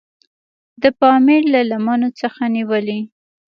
د پامیر له لمنو څخه نیولې.